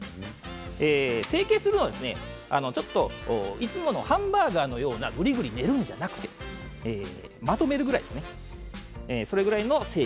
成形するのはですね、ちょっといつものハンバーグのようなぐりぐり練るんじゃなくてまとめるくらいですね。